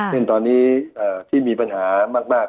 ซึ่งตอนนี้ที่มีปัญหามาก